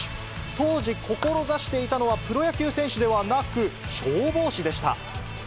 当時、志していたのは、プロ野球選手ではなく、消防士でした。